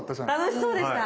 楽しそうでした。